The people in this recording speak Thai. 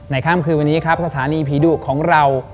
ข้ามคืนวันนี้ครับสถานีผีดุของเรา